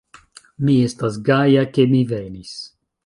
Mi estas gaja ke mi venis.